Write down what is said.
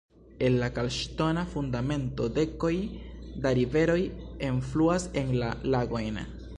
El la kalkŝtona fundamento dekoj da riveroj enfluas en la lagojn.